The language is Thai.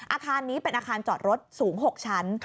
อาคารนี้เป็นอาคารจอดรถสูง๖ชั้น